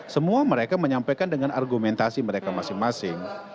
semua mereka menyampaikan dengan argumentasi mereka masing masing